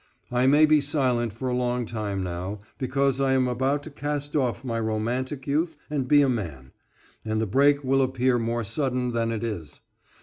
I may be silent for a long time now, because I am about to cast off my romantic youth and be a man, and the break will appear more sudden than it is.